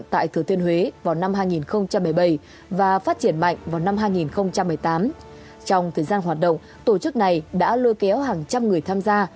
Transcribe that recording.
trong thời gian hoạt động tổ chức này đã lôi kéo hàng trăm người tham gia